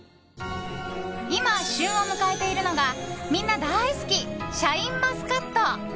今、旬を迎えているのがみんな大好きシャインマスカット。